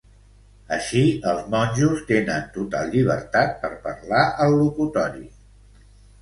Així, els monjos tenen total llibertat per parlar al locutori.